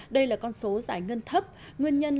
đây là con số giải ngân thấp